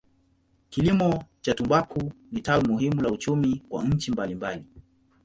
Kilimo cha tumbaku ni tawi muhimu la uchumi kwa nchi mbalimbali.